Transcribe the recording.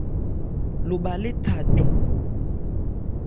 Lobha le tha cɔn.